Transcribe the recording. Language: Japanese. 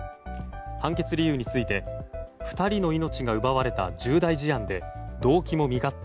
判決理由について２人の命が奪われた重大事案で動機も身勝手。